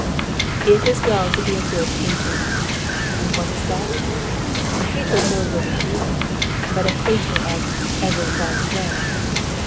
It is well to be a good hater. And what is that ? A hater of no living being, but a hater of every false way.